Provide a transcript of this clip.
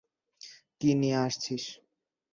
কী নিয়ে আসছিস?